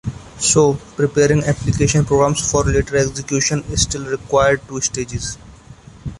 So, preparing application programs for later execution still required two stages.